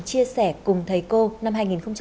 chia sẻ cùng thầy cô năm hai nghìn một mươi sáu